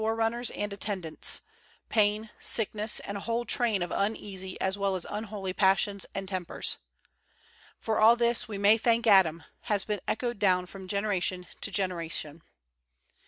THE WORLD'S FAMOUS ORATIONS runners and attendants — pain, sickness, and a whole train of uneasy as well as unholy passions and tempers. "Far all this we may thank Adam" has been echoed down from generation to gen eration.